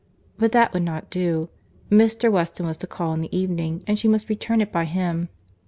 But that would not do. Mr. Weston was to call in the evening, and she must return it by him.